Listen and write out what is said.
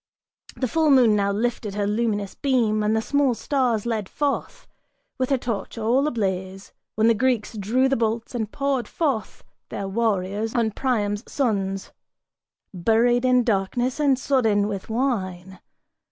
The full moon now lifted her luminous beam and the small stars Led forth, with her torch all ablaze; when the Greeks drew the bolts And poured forth their warriors, on Priam's sons, buried in darkness And sodden with wine.